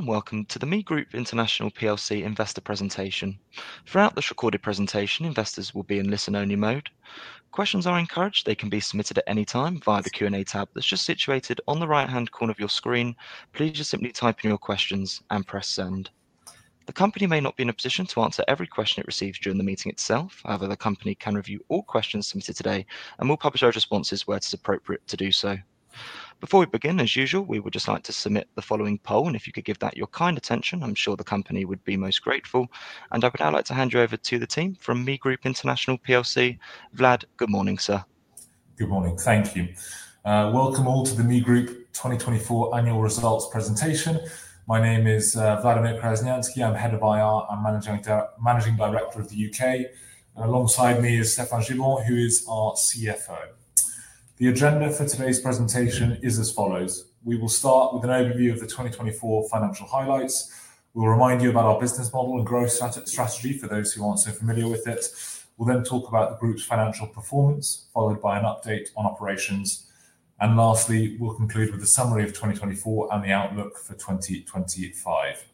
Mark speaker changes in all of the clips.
Speaker 1: Welcome to the ME Group International PLC Investor Presentation. Throughout this recorded presentation, investors will be in listen-only mode. Questions are encouraged. They can be submitted at any time via the Q&A tab that's just situated on the right-hand corner of your screen. Please just simply type in your questions and press send. The company may not be in a position to answer every question it receives during the meeting itself. However, the company can review all questions submitted today and will publish those responses where it is appropriate to do so. Before we begin, as usual, we would just like to submit the following poll, and if you could give that your kind attention, I'm sure the company would be most grateful, and I would now like to hand you over to the team from ME Group International PLC. Vlad, good morning, sir.
Speaker 2: Good morning, thank you. Welcome all to the ME Group 2024 Annual Results Presentation. My name is Vladimir Crasneanscki. I'm head of IR and Managing Director of the U.K. and alongside me is Stéphane Gibon who is our CFO. The agenda for today's presentation is as follows: we will start with an overview of the 2024 financial highlights. We'll remind you about our business model and growth strategy for those who aren't so familiar with it. We'll then talk about the group's financial performance, followed by an update on operations. And lastly, we'll conclude with a summary of 2024 and the outlook for 2025.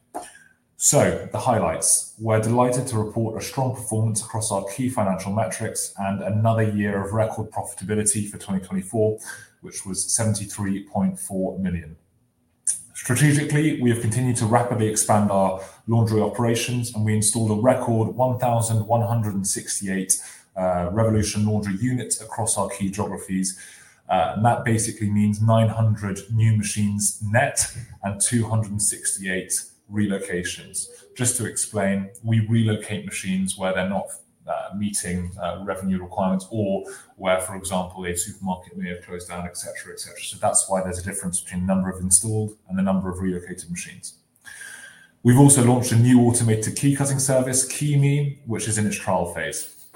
Speaker 2: So, the highlights, we're delighted to report a strong performance across our key financial metrics and another year of record profitability for 2024 which was 73.4 million. Strategically, we have continued to rapidly expand our laundry operations and we installed a record 1,168 Revolution Laundry units across our key geographies that basically means 900 new machines net and 268 relocations. Just to explain, we relocate machines where they're not meeting revenue requirements or where, for example, a supermarket may have closed down, etc., etc. So that's why there's a difference between the number of installed and the number of relocated machines. We've also launched a new automated key cutting service, Key.ME which is in its trial phase.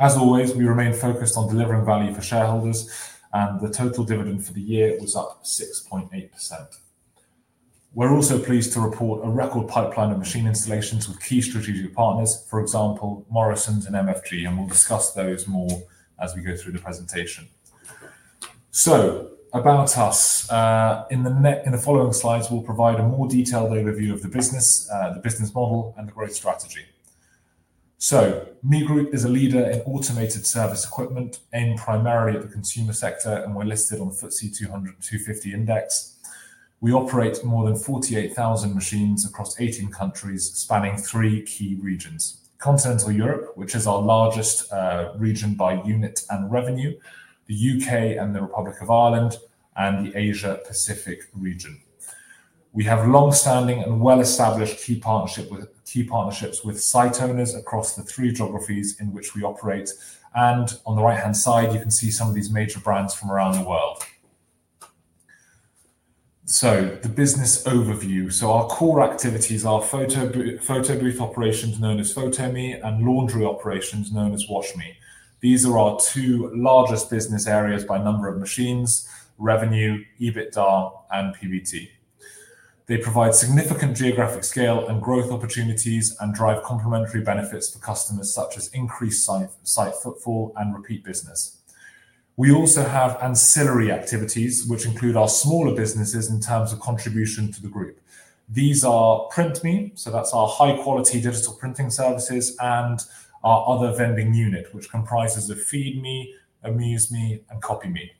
Speaker 2: As always, we remain focused on delivering value for shareholders, and the total dividend for the year was up 6.8%. We're also pleased to report a record pipeline of machine installations with key strategic partners, for example, Morrisons and MFG and we'll discuss those more as we go through the presentation. About us, In the following slides, we'll provide a more detailed overview of the business, the business model, and the growth strategy. ME Group is a leader in automated service equipment aimed primarily at the consumer sector, and we're listed on the FTSE 200/250 Index. We operate more than 48,000 machines across 18 countries, spanning three key regions: Continental Europe, which is our largest region by unit and revenue, the U.K. and the Republic of Ireland, and the Asia-Pacific region. We have long-standing and well-established key partnerships with site owners across the three geographies in which we operate. On the right-hand side, you can see some of these major brands from around the world. The business overview: Our core activities are photobooth operations, known as Photo-Me, and laundry operations, known as Wash.ME. These are our two largest business areas by number of machines: revenue, EBITDA, and PBT. They provide significant geographic scale and growth opportunities and drive complementary benefits for customers such as increased site footfall and repeat business. We also have ancillary activities, which include our smaller businesses in terms of contribution to the group. These are Print.Me, so that's our high-quality digital printing services, and our other vending unit, which comprises Feed.ME, Amuse.ME, and Copy.ME.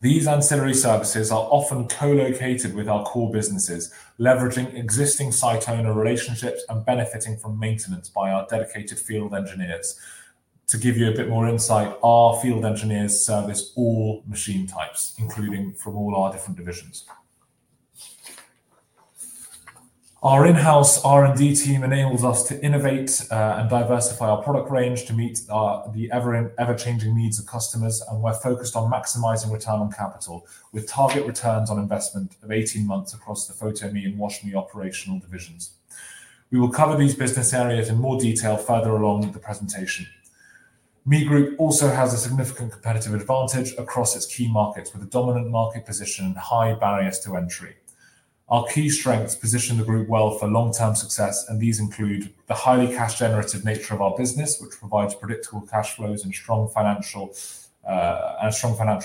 Speaker 2: These ancillary services are often co-located with our core businesses, leveraging existing site owner relationships and benefiting from maintenance by our dedicated field engineers. To give you a bit more insight, our field engineers service all machine types, including from all our different divisions. Our in-house R&D team enables us to innovate and diversify our product range to meet the ever-changing needs of customers, and we're focused on maximizing return on capital with target returns on investment of 18 months across the Photo-Me and Wash.ME operational divisions. We will cover these business areas in more detail further along the presentation. ME Group also has a significant competitive advantage across its key markets, with a dominant market position and high barriers to entry. Our key strengths position the group well for long-term success, and these include the highly cash-generative nature of our business, which provides predictable cash flows and a strong financial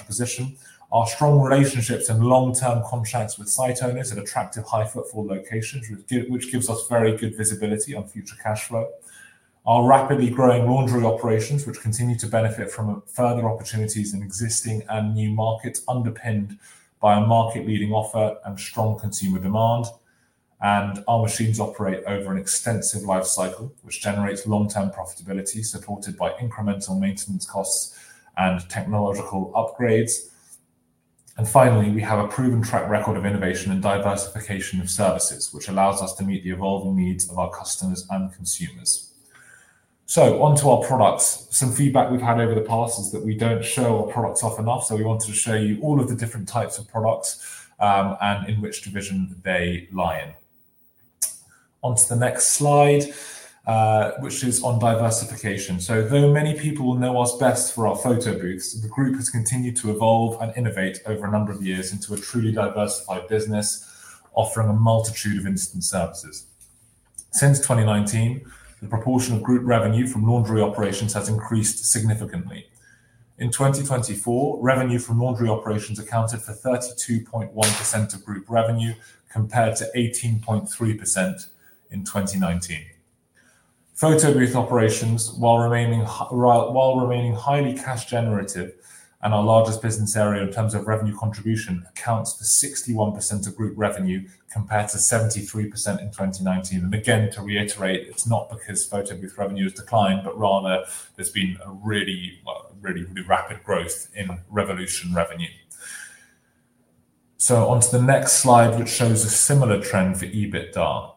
Speaker 2: position, our strong relationships and long-term contracts with site owners at attractive high-footfall locations, which gives us very good visibility on future cash flow, our rapidly growing laundry operations, which continue to benefit from further opportunities in existing and new markets underpinned by a market-leading offer and strong consumer demand, and our machines operate over an extensive life cycle, which generates long-term profitability supported by incremental maintenance costs and technological upgrades. And finally, we have a proven track record of innovation and diversification of services, which allows us to meet the evolving needs of our customers and consumers. So, onto our products. Some feedback we've had over the past is that we don't show our products often enough, so we wanted to show you all of the different types of products and in which division they lie in. Onto the next slide, which is on diversification. So, though many people will know us best for our photobooths, the group has continued to evolve and innovate over a number of years into a truly diversified business, offering a multitude of instant services. Since 2019, the proportion of group revenue from laundry operations has increased significantly. In 2024, revenue from laundry operations accounted for 32.1% of group revenue, compared to 18.3% in 2019. Photobooth operations, while remaining highly cash-generative and our largest business area in terms of revenue contribution, accounts for 61% of group revenue compared to 73% in 2019. Again, to reiterate, it's not because photobooth revenue has declined, but rather there's been a really, really rapid growth in Revolution revenue. Onto the next slide, which shows a similar trend for EBITDA.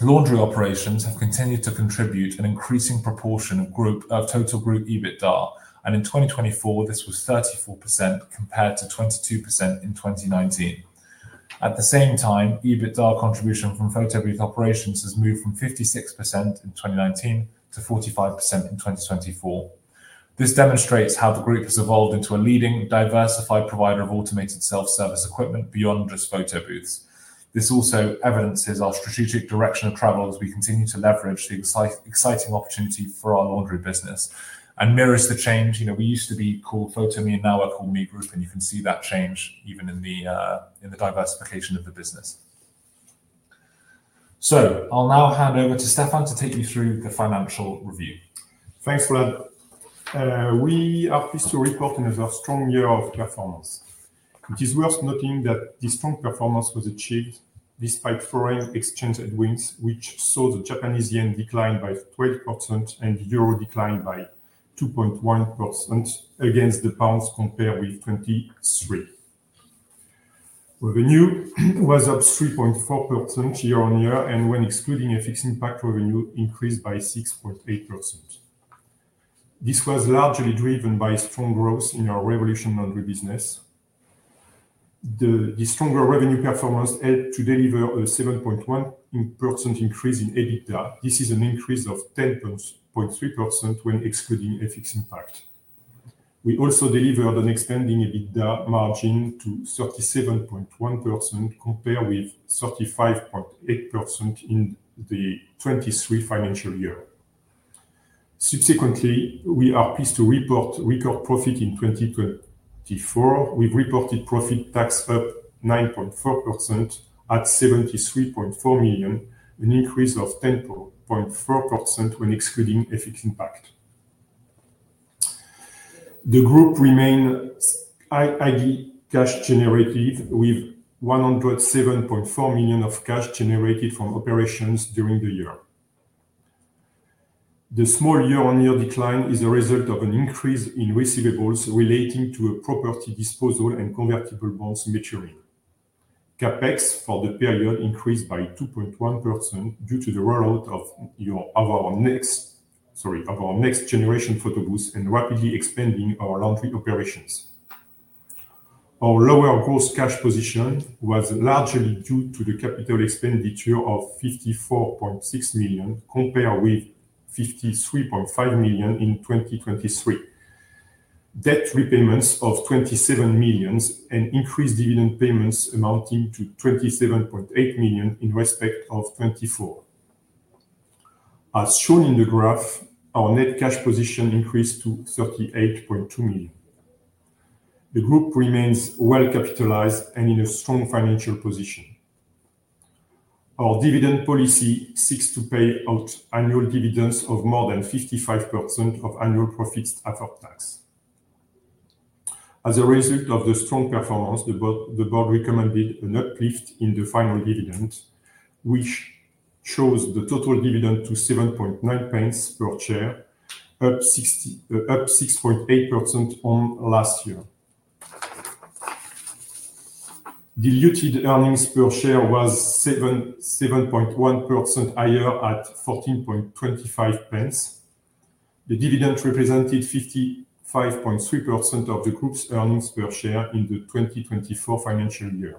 Speaker 2: Laundry operations have continued to contribute an increasing proportion of total group EBITDA, and in 2024, this was 34% compared to 22% in 2019. At the same time, EBITDA contribution from photobooth operations has moved from 56% in 2019 to 45% in 2024. This demonstrates how the group has evolved into a leading, diversified provider of automated self-service equipment beyond just photobooths. This also evidences our strategic direction of travel as we continue to leverage the exciting opportunity for our laundry business and mirrors the change. We used to be called Photo-Me and now we're called ME Group, and you can see that change even in the diversification of the business. I'll now hand over to Stéphane to take you through the financial review.
Speaker 3: Thanks, Vlad. We are pleased to report on a strong year of performance. It is worth noting that this strong performance was achieved despite foreign exchange headwinds, which saw the Japanese yen decline by 12% and the euro decline by 2.1% against the pound compared with 2023. Revenue was up 3.4% year-on-year, and when excluding FX impact revenue it increased by 6.8%. This was largely driven by strong growth in our revolution laundry business. The stronger revenue performance helped to deliver a 7.1% increase in EBITDA. This is an increase of 10.3% when excluding FX impact. We also delivered an expanding EBITDA margin to 37.1%, compared with 35.8% in the 2023 financial year. Subsequently, we are pleased to report record profit in 2024. We've reported Profit Before Tax up 9.4% at 73.4 million, an increase of 10.4% when excluding FX impact. The group remains highly cash-generative, with 107.4 million of cash generated from operations during the year. The small year-on-year decline is a result of an increase in receivables relating to property disposal and convertible bonds maturing. Capex for the period increased by 2.1% due to the rollout of our next generation photobooths and rapidly expanding our laundry operations. Our lower gross cash position was largely due to the capital expenditure of 54.6 million, compared with 53.5 million in 2023, debt repayments of 27 million, and increased dividend payments amounting to 27.8 million in respect of 2024. As shown in the graph, our net cash position increased to 38.2 million. The group remains well capitalized and in a strong financial position. Our dividend policy seeks to pay out annual dividends of more than 55% of annual profits after tax. As a result of the strong performance, the board recommended an uplift in the final dividend, which shows the total dividend to 7.9 pence per share, up 6.8% from last year. Diluted earnings per share was 7.1% higher at 14.25 pence. The dividend represented 55.3% of the group's earnings per share in the 2024 financial year.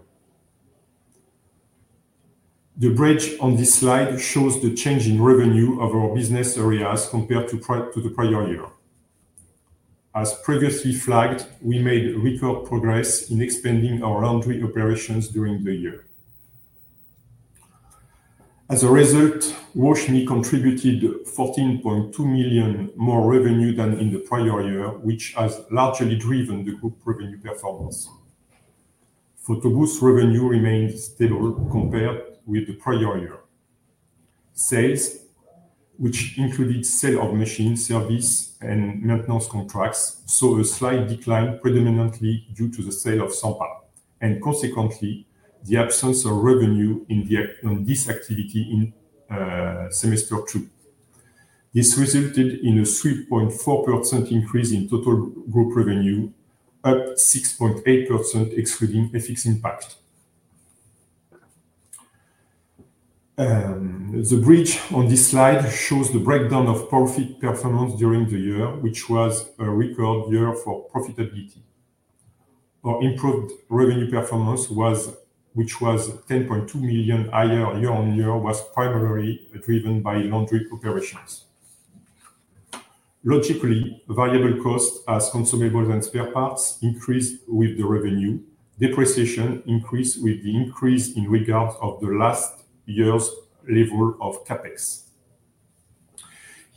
Speaker 3: The bridge on this slide shows the change in revenue of our business areas compared to the prior year. As previously flagged, we made record progress in expanding our laundry operations during the year. As a result, Wash.ME contributed 14.2 million more revenue than in the prior year, which has largely driven the group revenue performance. Photo-Me revenue remained stable compared with the prior year. Sales, which included sale of machine service and maintenance contracts, saw a slight decline, predominantly due to the sale of Sempa, and consequently, the absence of revenue in this activity in semester two. This resulted in a 3.4% increase in total group revenue, up 6.8% excluding FX impact. The bridge on this slide shows the breakdown of profit performance during the year, which was a record year for profitability. Our improved revenue performance, which was 10.2 million higher year-on-year, was primarily driven by laundry operations. Logically, variable costs as consumables and spare parts increased with the revenue. Depreciation increased with the increase in regards of the last year's level of Capex.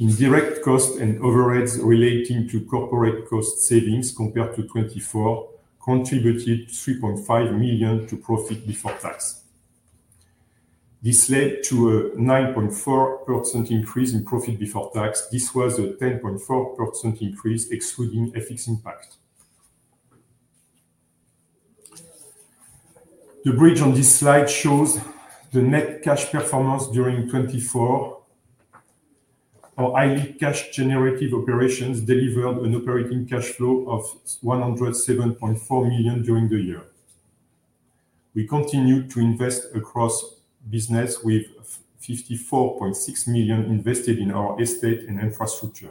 Speaker 3: Indirect costs and overheads relating to corporate cost savings compared to 2024 contributed 3.5 million to Profit Before Tax. This led to a 9.4% increase in Profit Before Tax. This was a 10.4% increase excluding FX impact. The bridge on this slide shows the net cash performance during 2024. Our highly cash-generative operations delivered an operating cash flow of 107.4 million during the year. We continued to invest across business with 54.6 million invested in our estate and infrastructure.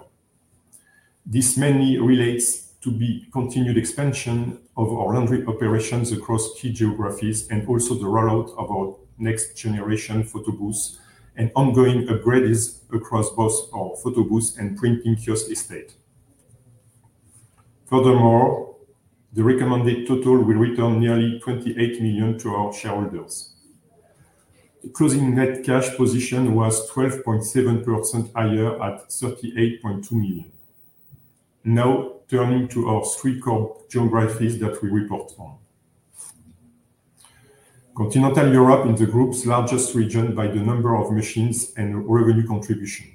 Speaker 3: This mainly relates to the continued expansion of our laundry operations across key geographies and also the rollout of our next generation photobooths and ongoing upgrades across both our photobooths and printing kiosk estate. Furthermore, the recommended total will return nearly 28 million to our shareholders. The closing net cash position was 12.7% higher at 38.2 million. Now, turning to our three core geographies that we report on. Continental Europe is the group's largest region by the number of machines and revenue contribution.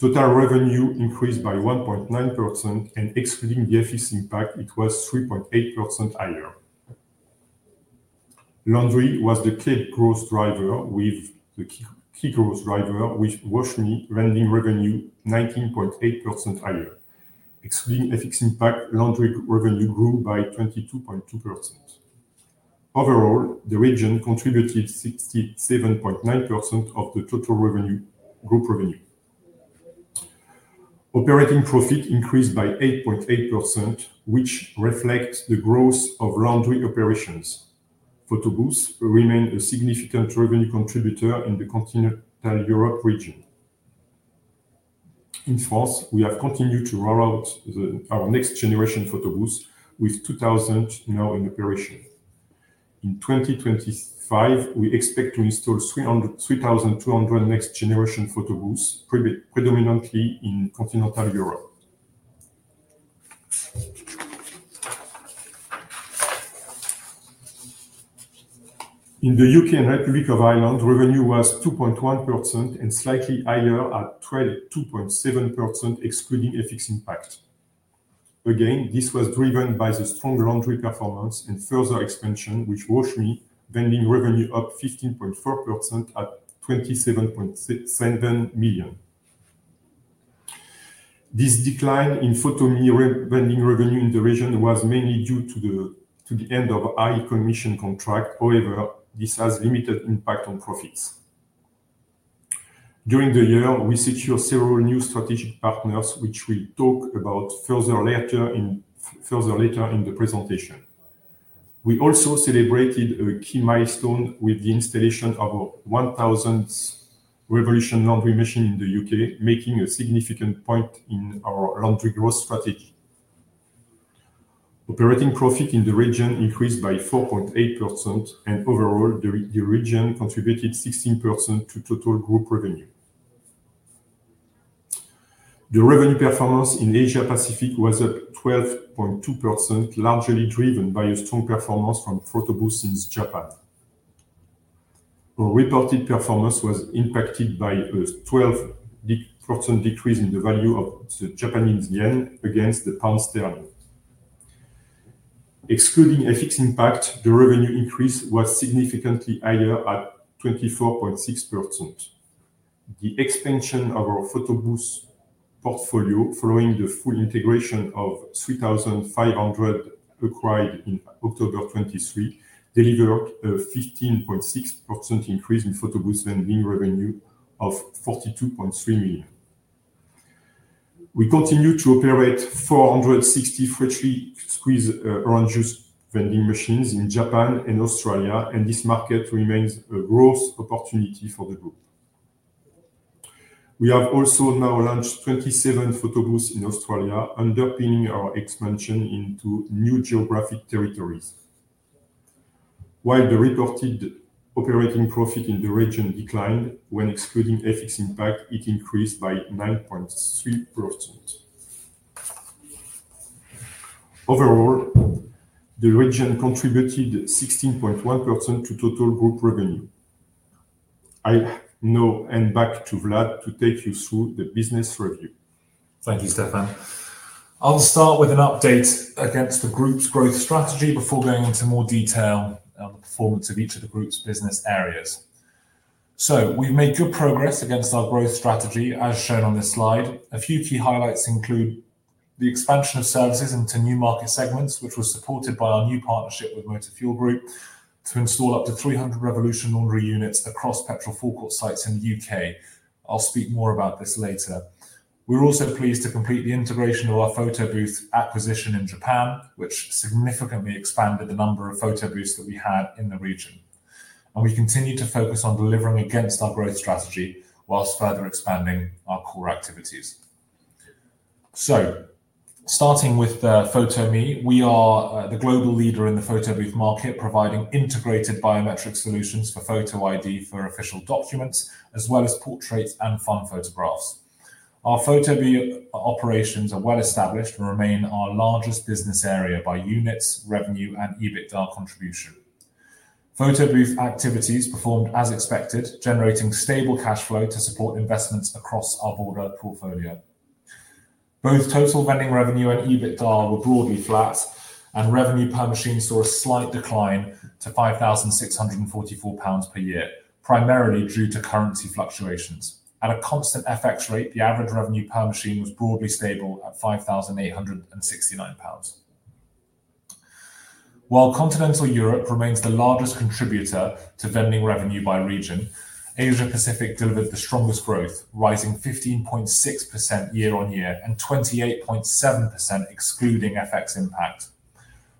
Speaker 3: Total revenue increased by 1.9%, and excluding the FX impact, it was 3.8% higher. Laundry was the key growth driver, with Wash.ME laundry revenue 19.8% higher. Excluding an FX impact, laundry revenue grew by 22.2%. Overall, the region contributed 67.9% of the total Group revenue. Operating profit increased by 8.8%, which reflects the growth of laundry operations. Photobooths remain a significant revenue contributor in the Continental Europe region. In France, we have continued to roll out our next generation photobooths, with 2,000 now in operation. In 2025, we expect to install 3,200 next generation photobooths, predominantly in Continental Europe. In the U.K. and Republic of Ireland, revenue was 2.1% and slightly higher at 22.7%, excluding an FX impact. Again, this was driven by the strong laundry performance and further expansion, which saw Wash.ME vending revenue up 15.4% at 27.7 million. This decline in Photo-Me vending revenue in the region was mainly due to the end of high commission contract. However, this has limited impact on profits. During the year, we secured several new strategic partners, which we'll talk about further later in the presentation. We also celebrated a key milestone with the installation of a 1,000 Revolution laundry machine in the U.K., making a significant point in our laundry growth strategy. Operating profit in the region increased by 4.8%, and overall, the region contributed 16% to total group revenue. The revenue performance in Asia-Pacific was up 12.2%, largely driven by a strong performance from photobooths in Japan. Our reported performance was impacted by a 12% decrease in the value of the Japanese yen against the pound sterling. Excluding an FX impact, the revenue increase was significantly higher at 24.6%. The expansion of our photobooth portfolio, following the full integration of 3,500 acquired in October 2023, delivered a 15.6% increase in photobooth vending revenue of 42.3 million. We continue to operate 460 freshly squeezed orange juice vending machines in Japan and Australia, and this market remains a growth opportunity for the group. We have also now launched 27 photobooths in Australia, underpinning our expansion into new geographic territories. While the reported operating profit in the region declined, when excluding an FX impact, it increased by 9.3%. Overall, the region contributed 16.1% to total group revenue. I now hand back to Vlad to take you through the business review.
Speaker 2: Thank you, Stéphane. I'll start with an update against the group's growth strategy before going into more detail on the performance of each of the group's business areas. So, we've made good progress against our growth strategy, as shown on this slide. A few key highlights include the expansion of services into new market segments, which was supported by our new partnership with Motor Fuel Group to install up to 300 Revolution laundry units across petrol forecourt sites in the U.K. I'll speak more about this later. We're also pleased to complete the integration of our photobooth acquisition in Japan, which significantly expanded the number of photobooths that we had in the region. And we continue to focus on delivering against our growth strategy whilst further expanding our core activities. Starting with Photo-Me, we are the global leader in the photobooth market, providing integrated biometric solutions for photo ID for official documents, as well as portraits and fun photographs. Our photobooth operations are well established and remain our largest business area by units, revenue, and EBITDA contribution. Photobooth activities performed as expected, generating stable cash flow to support investments across our broader portfolio. Both total vending revenue and EBITDA were broadly flat, and revenue per machine saw a slight decline to 5,644 pounds per year, primarily due to currency fluctuations. At a constant FX rate, the average revenue per machine was broadly stable at 5,869 pounds. While Continental Europe remains the largest contributor to vending revenue by region, Asia-Pacific delivered the strongest growth, rising 15.6% year-on-year and 28.7% excluding FX impact.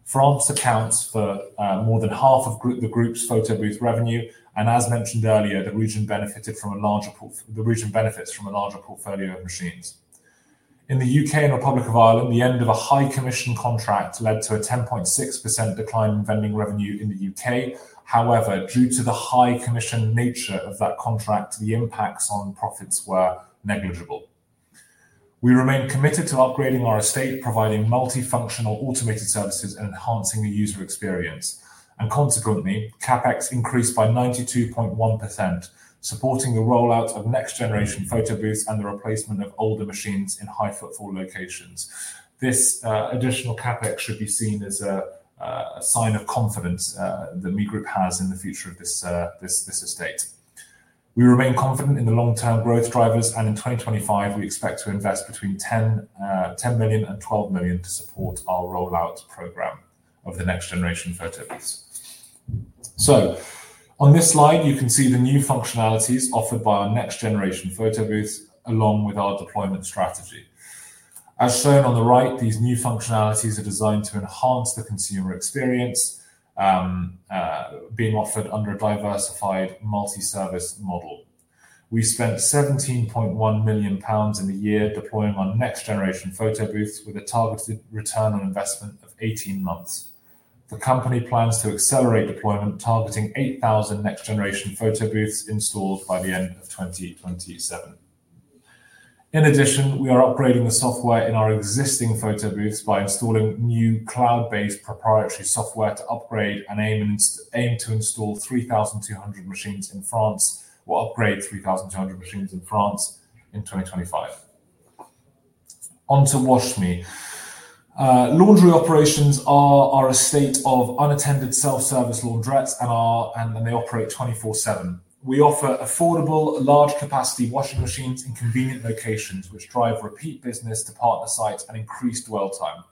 Speaker 2: France accounts for more than half of the group's photobooth revenue, and as mentioned earlier, the region benefited from a larger portfolio of machines. In the U.K. and Republic of Ireland, the end of a high commission contract led to a 10.6% decline in vending revenue in the U.K. However, due to the high commission nature of that contract, the impacts on profits were negligible. We remain committed to upgrading our estate, providing multifunctional automated services and enhancing the user experience, and consequently, Capex increased by 92.1%, supporting the rollout of next generation photobooths and the replacement of older machines in high footfall locations. This additional Capex should be seen as a sign of confidence that ME Group has in the future of this estate. We remain confident in the long-term growth drivers, and in 2025, we expect to invest between 10 million and 12 million to support our rollout program of the next generation photobooths. So, on this slide, you can see the new functionalities offered by our next generation photobooths, along with our deployment strategy. As shown on the right, these new functionalities are designed to enhance the consumer experience, being offered under a diversified multi-service model. We spent 17.1 million pounds in a year deploying our next generation photobooths with a targeted return on investment of 18 months. The company plans to accelerate deployment, targeting 8,000 next generation photobooths installed by the end of 2027. In addition, we are upgrading the software in our existing photobooths by installing new cloud-based proprietary software to upgrade and aim to install 3,200 machines in France or upgrade 3,200 machines in France in 2025. Onto Wash.ME. Laundry operations are a state of unattended self-service laundrette, and they operate 24/7. We offer affordable, large capacity washing machines in convenient locations, which drive repeat business to partner sites and increased dwell time.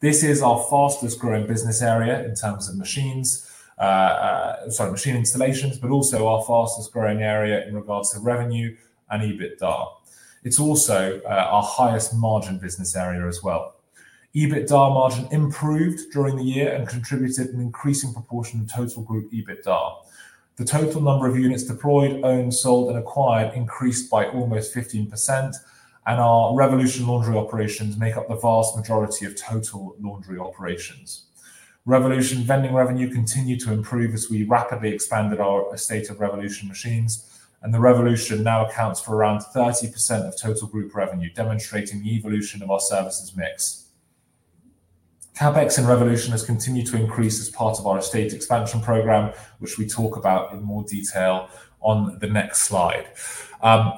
Speaker 2: This is our fastest growing business area in terms of machines, sorry, machine installations, but also our fastest growing area in regards to revenue and EBITDA. It's also our highest margin business area as well. EBITDA margin improved during the year and contributed an increasing proportion of total group EBITDA. The total number of units deployed, owned, sold, and acquired increased by almost 15%, and our Revolution laundry operations make up the vast majority of total laundry operations. Revolution vending revenue continued to improve as we rapidly expanded our estate of Revolution machines, and the Revolution now accounts for around 30% of total group revenue, demonstrating the evolution of our services mix. CapEx in Revolution has continued to increase as part of our estate expansion program, which we talk about in more detail on the next slide.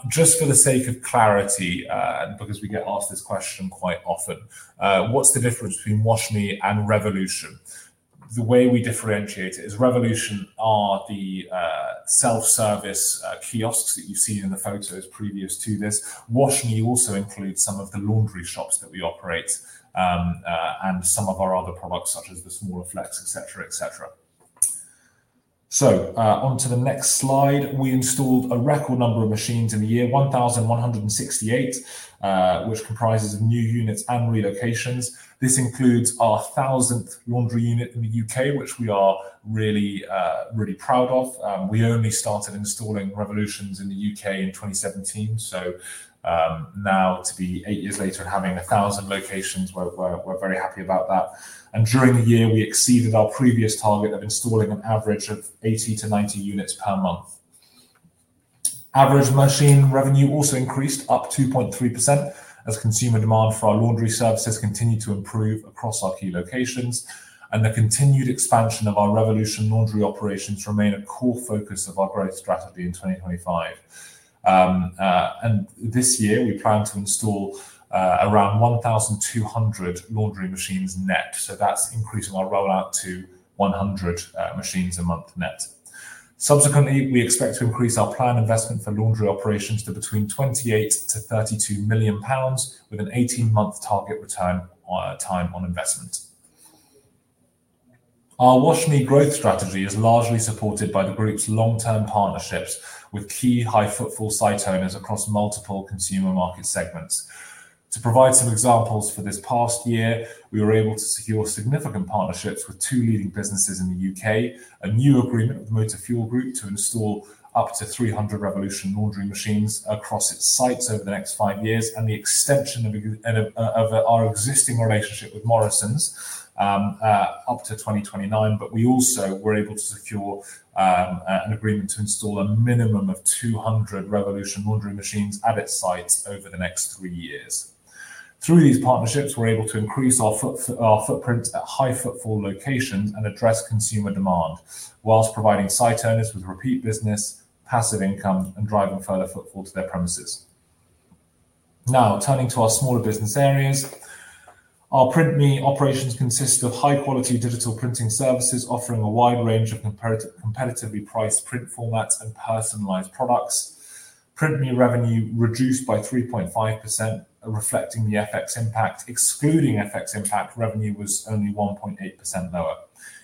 Speaker 2: Just for the sake of clarity, and because we get asked this question quite often, what's the difference between Wash.ME and Revolution? The way we differentiate it is Revolution are the self-service kiosks that you've seen in the photos previous to this. Wash.ME also includes some of the laundry shops that we operate and some of our other products, such as the smaller Flex, etc., etc. So, onto the next slide. We installed a record number of machines in the year, 1,168, which comprises of new units and relocations. This includes our 1,000th laundry unit in the U.K., which we are really proud of. We only started installing Revolutions in the U.K. in 2017, so now, to be eight years later and having 1,000 locations, we're very happy about that. And during the year, we exceeded our previous target of installing an average of 80 to 90 units per month. Average machine revenue also increased up 2.3% as consumer demand for our laundry services continued to improve across our key locations, and the continued expansion of our Revolution laundry operations remains a core focus of our growth strategy in 2025. And this year, we plan to install around 1,200 laundry machines net, so that's increasing our rollout to 100 machines a month net. Subsequently, we expect to increase our planned investment for laundry operations to between 28-32 million pounds, with an 18-month target return on investment. Our Wash.ME growth strategy is largely supported by the group's long-term partnerships with key high footfall site owners across multiple consumer market segments. To provide some examples for this past year, we were able to secure significant partnerships with two leading businesses in the U.K., a new agreement with Motor Fuel Group to install up to 300 Revolution laundry machines across its sites over the next five years, and the extension of our existing relationship with Morrisons up to 2029, but we also were able to secure an agreement to install a minimum of 200 Revolution laundry machines at its sites over the next three years. Through these partnerships, we're able to increase our footprint at high footfall locations and address consumer demand while providing site owners with repeat business, passive income, and driving further footfall to their premises. Now, turning to our smaller business areas, our Print.ME operations consist of high-quality digital printing services offering a wide range of competitively priced print formats and personalized products. Print.ME revenue reduced by 3.5%, reflecting the FX impact. Excluding FX impact, revenue was only 1.8% lower.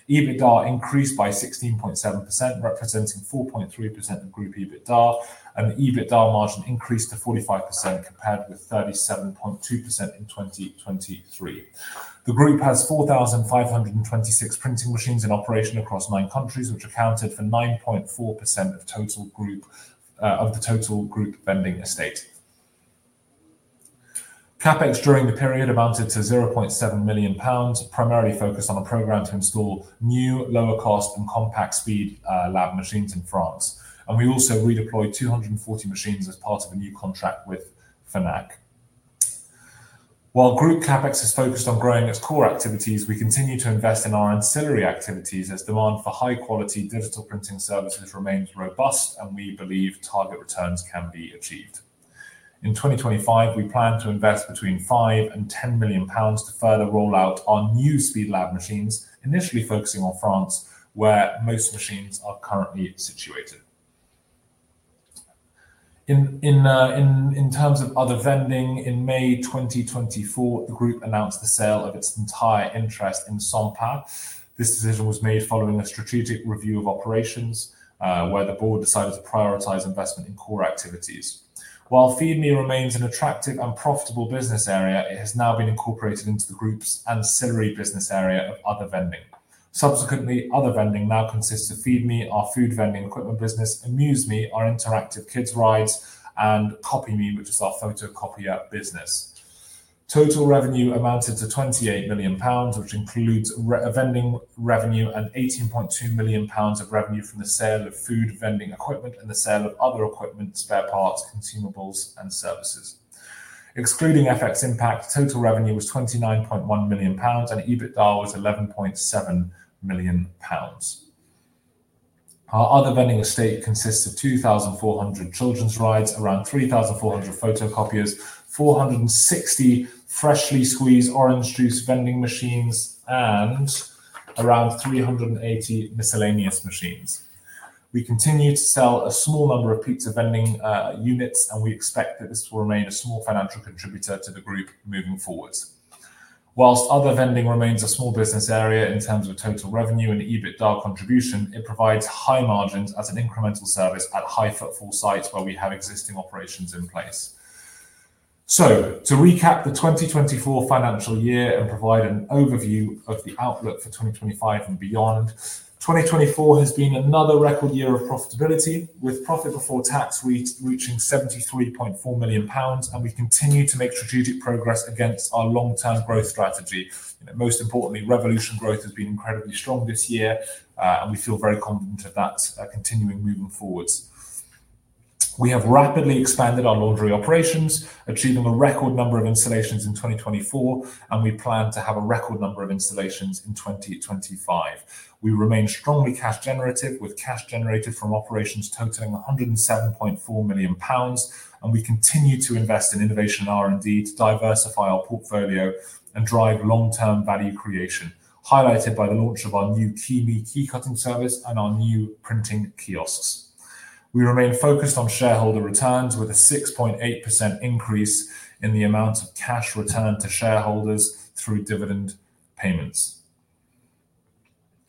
Speaker 2: EBITDA increased by 16.7%, representing 4.3% of group EBITDA, and the EBITDA margin increased to 45% compared with 37.2% in 2023. The group has 4,526 printing machines in operation across nine countries, which accounted for 9.4% of the total group vending estate. Capex during the period amounted to 0.7 million pounds, primarily focused on a program to install new, lower-cost, and compact Speedlab machines in France, and we also redeployed 240 machines as part of a new contract with Fnac. While Group Capex has focused on growing its core activities, we continue to invest in our ancillary activities as demand for high-quality digital printing services remains robust, and we believe target returns can be achieved. In 2025, we plan to invest between 5 million and 10 million pounds to further rollout our new Speedlab machines, initially focusing on France, where most machines are currently situated. In terms of other vending, in May 2024, the group announced the sale of its entire interest in Sempa. This decision was made following a strategic review of operations, where the board decided to prioritize investment in core activities. While Feed.ME remains an attractive and profitable business area, it has now been incorporated into the group's ancillary business area of other vending. Subsequently, other vending now consists of Feed.ME, our food vending equipment business, Amuse.ME, our interactive kids' rides, and Copy.ME, which is our photocopier business. Total revenue amounted to 28 million pounds, which includes vending revenue and 18.2 million pounds of revenue from the sale of food vending equipment and the sale of other equipment, spare parts, consumables, and services. Excluding FX impact, total revenue was 29.1 million pounds, and EBITDA was 11.7 million pounds. Our other vending estate consists of 2,400 children's rides, around 3,400 photocopiers, 460 freshly squeezed orange juice vending machines, and around 380 miscellaneous machines. We continue to sell a small number of pizza vending units, and we expect that this will remain a small financial contributor to the group moving forward. Whilst other vending remains a small business area in terms of total revenue and EBITDA contribution, it provides high margins as an incremental service at high footfall sites where we have existing operations in place. So, to recap the 2024 financial year and provide an overview of the outlook for 2025 and beyond, 2024 has been another record year of profitability, with Profit Before Tax reaching 73.4 million pounds, and we continue to make strategic progress against our long-term growth strategy. Most importantly, Revolution growth has been incredibly strong this year, and we feel very confident of that continuing moving forward. We have rapidly expanded our laundry operations, achieving a record number of installations in 2024, and we plan to have a record number of installations in 2025. We remain strongly cash generative, with cash generated from operations totaling 107.4 million pounds, and we continue to invest in innovation and R&D to diversify our portfolio and drive long-term value creation, highlighted by the launch of our new Key.ME key cutting service and our new printing kiosks. We remain focused on shareholder returns, with a 6.8% increase in the amount of cash returned to shareholders through dividend payments.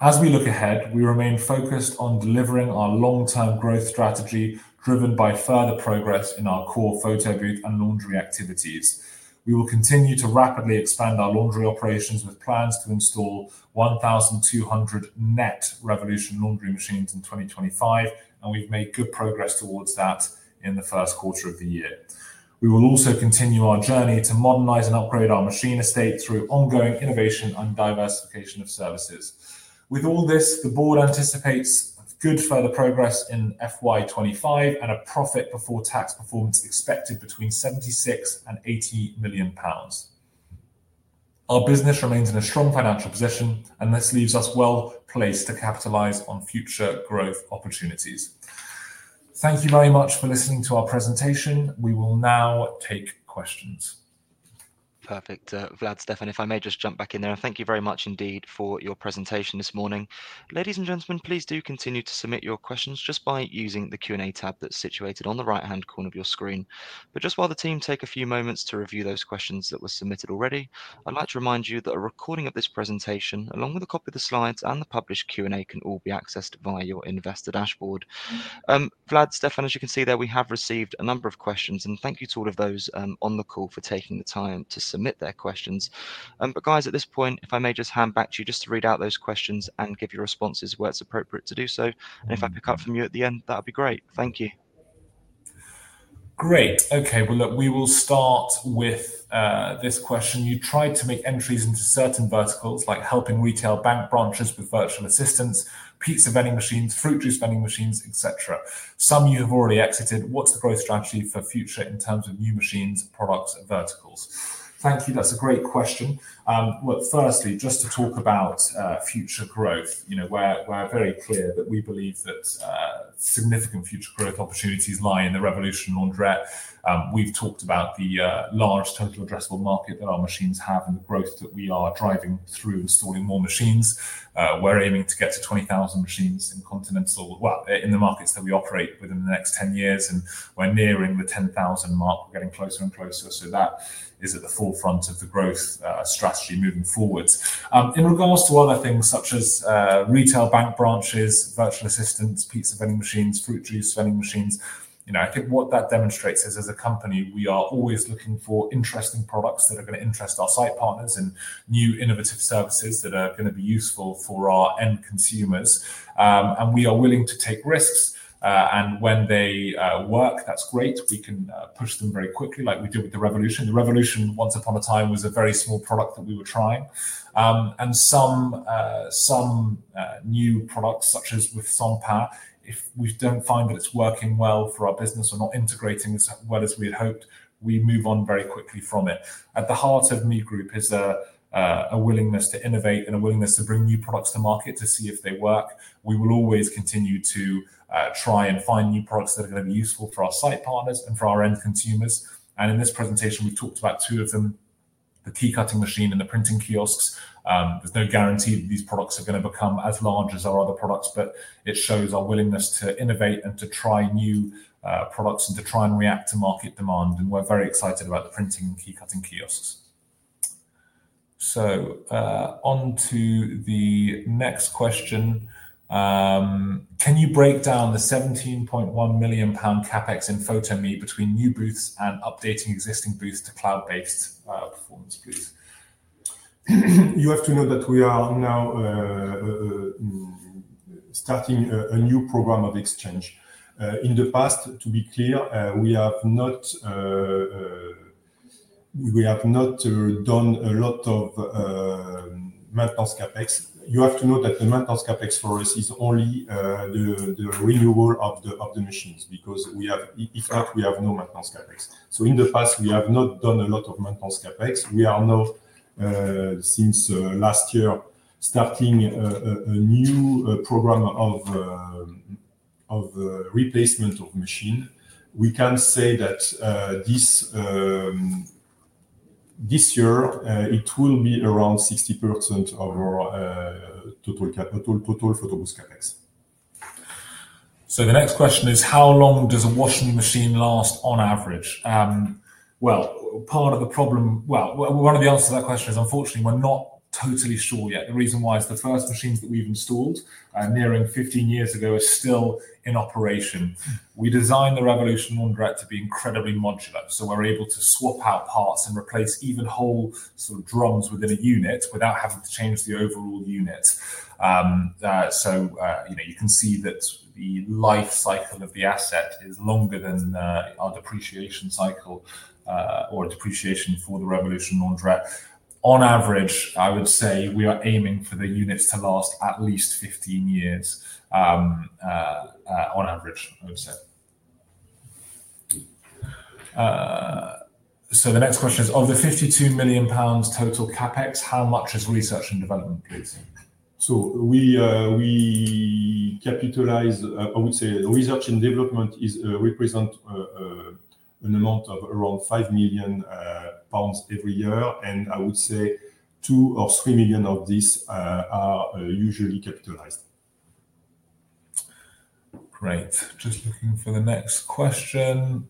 Speaker 2: As we look ahead, we remain focused on delivering our long-term growth strategy driven by further progress in our core photobooth and laundry activities. We will continue to rapidly expand our laundry operations with plans to install 1,200 net Revolution laundry machines in 2025, and we've made good progress towards that in the first quarter of the year. We will also continue our journey to modernize and upgrade our machine estate through ongoing innovation and diversification of services. With all this, the board anticipates good further progress in FY25 and a Profit Before Tax performance expected between 76 million and 80 million pounds. Our business remains in a strong financial position, and this leaves us well placed to capitalize on future growth opportunities. Thank you very much for listening to our presentation. We will now take questions.
Speaker 1: Perfect. Vlad, Stéphane, if I may just jump back in there, and thank you very much indeed for your presentation this morning. Ladies and gentlemen, please do continue to submit your questions just by using the Q&A tab that's situated on the right-hand corner of your screen. But just while the team takes a few moments to review those questions that were submitted already, I'd like to remind you that a recording of this presentation, along with a copy of the slides and the published Q&A, can all be accessed via your Investor Dashboard. Vlad, Stéphane, as you can see there, we have received a number of questions, and thank you to all of those on the call for taking the time to submit their questions. Guys, at this point, if I may just hand back to you just to read out those questions and give your responses where it's appropriate to do so. If I pick up from you at the end, that would be great. Thank you. Great. Okay. Look, we will start with this question. You tried to make entries into certain verticals, like helping retail bank branches with virtual assistance, pizza vending machines, fruit juice vending machines, etc. Some you have already exited. What's the growth strategy for future in terms of new machines, products, and verticals? Thank you. That's a great question. Well, firstly, just to talk about future growth, we're very clear that we believe that significant future growth opportunities lie in the Revolution laundry. We've talked about the large total addressable market that our machines have and the growth that we are driving through installing more machines. We're aiming to get to 20,000 machines in the markets that we operate within the next 10 years, and we're nearing the 10,000 mark. We're getting closer and closer, so that is at the forefront of the growth strategy moving forward. In regards to other things such as retail bank branches, virtual assistance, pizza vending machines, fruit juice vending machines, I think what that demonstrates is, as a company, we are always looking for interesting products that are going to interest our site partners and new innovative services that are going to be useful for our end consumers, and we are willing to take risks, and when they work, that's great. We can push them very quickly, like we did with the Revolution. The Revolution, once upon a time, was a very small product that we were trying, and some new products, such as with Sempa, if we don't find that it's working well for our business or not integrating as well as we had hoped, we move on very quickly from it. At the heart of ME Group is a willingness to innovate and a willingness to bring new products to market to see if they work. We will always continue to try and find new products that are going to be useful for our site partners and for our end consumers. And in this presentation, we've talked about two of them: the key cutting machine and the printing kiosks. There's no guarantee that these products are going to become as large as our other products, but it shows our willingness to innovate and to try new products and to try and react to market demand. And we're very excited about the printing and key cutting kiosks. So, onto the next question. Can you break down the 17.1 million pound CapEx in Photo-ME between new booths and updating existing booths to cloud-based performance booths?
Speaker 3: You have to know that we are now starting a new program of exchange. In the past, to be clear, we have not done a lot of maintenance CapEx. You have to know that the maintenance CapEx for us is only the renewal of the machines because if not, we have no maintenance CapEx. So, in the past, we have not done a lot of maintenance CapEx. We are now, since last year, starting a new program of replacement of machines. We can say that this year, it will be around 60% of our total photobooth CapEx.
Speaker 2: So, the next question is, how long does a Wash.ME machine last on average? Well, part of the problem, well, one of the answers to that question is, unfortunately, we're not totally sure yet. The reason why is the first machines that we've installed nearing 15 years ago are still in operation. We designed the Revolution launderette to be incredibly modular, so we're able to swap out parts and replace even whole drums within a unit without having to change the overall unit. So, you can see that the life cycle of the asset is longer than our depreciation cycle or depreciation for the Revolution launderette. On average, I would say we are aiming for the units to last at least 15 years on average, I would say. So, the next question is, of the 52 million pounds total CapEx, how much is research and development, please? So, we capitalize. I would say research and development represent an amount of around 5 million pounds every year, and I would say 2 or 3 million GBP of these are usually capitalized. Great. Just looking for the next question.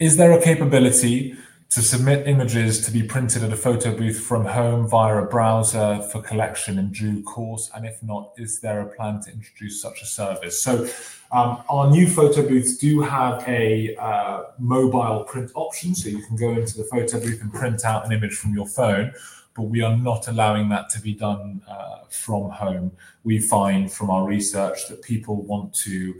Speaker 2: Is there a capability to submit images to be printed at a photobooth from home via a browser for collection in due course, and if not, is there a plan to introduce such a service? So, our new photobooths do have a mobile print option, so you can go into the photobooth and print out an image from your phone, but we are not allowing that to be done from home. We find from our research that people want to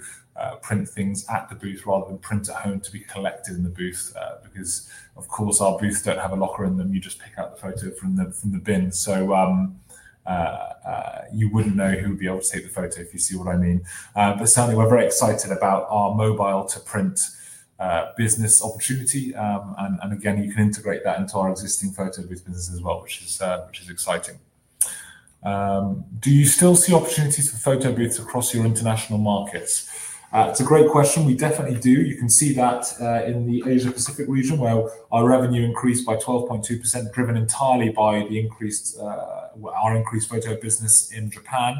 Speaker 2: print things at the booth rather than print at home to be collected in the booth because, of course, our booths don't have a locker in them. You just pick out the photo from the bin, so you wouldn't know who would be able to take the photo if you see what I mean. But certainly, we're very excited about our mobile-to-print business opportunity, and again, you can integrate that into our existing photo booth business as well, which is exciting. Do you still see opportunities for photo booths across your international markets? It's a great question. We definitely do. You can see that in the Asia-Pacific region, where our revenue increased by 12.2%, driven entirely by our increased photo business in Japan,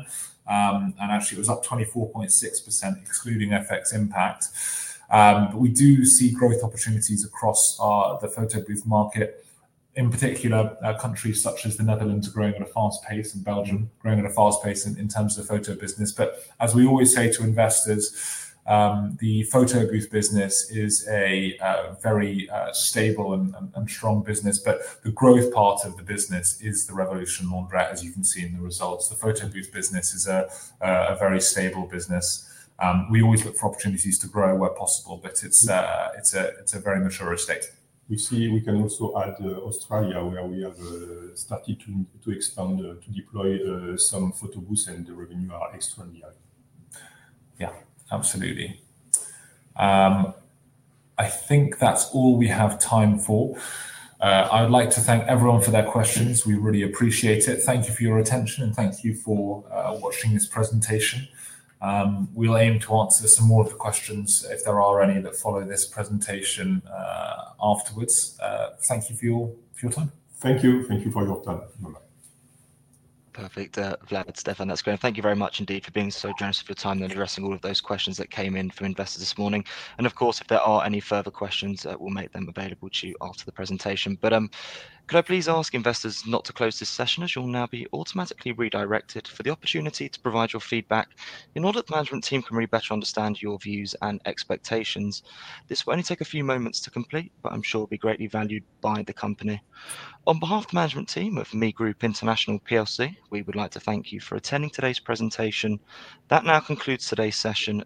Speaker 2: and actually, it was up 24.6%, excluding FX impact. But we do see growth opportunities across the photo booth market. In particular, countries such as the Netherlands are growing at a fast pace, and Belgium is growing at a fast pace in terms of the photo business. But as we always say to investors, the photo booth business is a very stable and strong business, but the growth part of the business is the Revolution launderette, as you can see in the results. The photo booth business is a very stable business. We always look for opportunities to grow where possible, but it's a very mature estate. We can also add Australia, where we have started to expand, to deploy some photo booths, and the revenues are extraordinary. Yeah, absolutely. I think that's all we have time for. I would like to thank everyone for their questions. We really appreciate it. Thank you for your attention, and thank you for watching this presentation. We'll aim to answer some more of the questions, if there are any, that follow this presentation afterwards. Thank you for your time.
Speaker 3: Thank you. Thank you for your time. Bye-bye.
Speaker 1: Perfect. Vlad, Stefan, that's great. Thank you very much indeed for being so generous of your time and addressing all of those questions that came in from investors this morning. And of course, if there are any further questions, we'll make them available to you after the presentation. But could I please ask investors not to close this session, as you'll now be automatically redirected for the opportunity to provide your feedback in order that the management team can really better understand your views and expectations? This will only take a few moments to complete, but I'm sure it will be greatly valued by the company. On behalf of the management team of ME Group International PLC, we would like to thank you for attending today's presentation. That now concludes today's session.